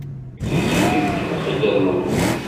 Tiziri tkellex i Dda Lmulud.